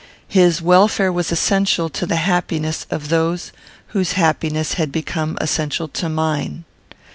His welfare was essential to the happiness of those whose happiness had become essential to mine.